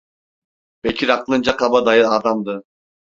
Bekir aklınca kabadayı adamdı.